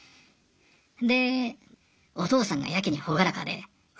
でお父さんがやけに朗らかで。